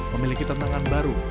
memiliki tantangan baru